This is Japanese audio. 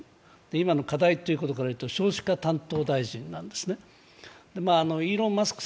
今の課題というところからいうと少子化担当大臣なんですね。イーロン・マスク